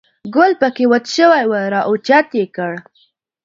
ګل په کې وچ شوی و، را اوچت یې کړ.